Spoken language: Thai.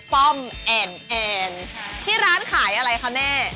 ป้อมแอนแอนที่ร้านขายอะไรคะแม่